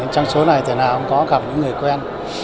trong số này thể nào không có gặp những người quen